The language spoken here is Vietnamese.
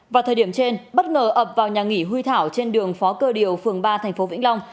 vào thời điểm trên bất ngờ ập vào nhà nghỉ huy thảo trên đường phó cơ điều phường ba thành phố vĩnh long